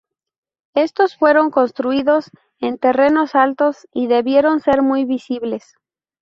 Estos fueron construidos en terrenos altos y debieron ser muy visibles.